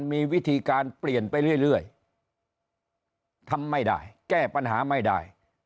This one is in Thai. มีวิธีการเปลี่ยนไปเรื่อยทำไม่ได้แก้ปัญหาไม่ได้